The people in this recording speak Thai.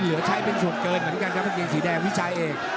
ได้เป็นช่วงเกินเหมือนกันครับเนี้ยสีแดงวิชาเอก